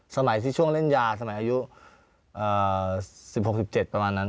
สมัยที่ช่วงเล่นยาสมัยอายุ๑๖๑๗ประมาณนั้น